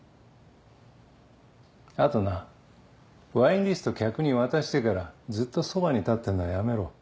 後なワインリスト客に渡してからずっとそばに立ってんのはやめろ。